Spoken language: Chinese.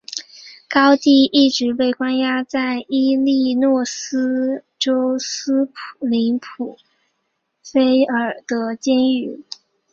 高蒂一直被关押在伊利诺斯州斯普林菲尔德监狱。